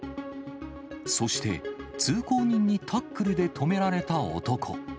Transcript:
そして、通行人にタックルで止められた男。